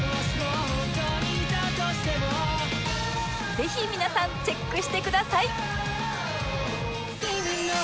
ぜひ皆さんチェックしてください！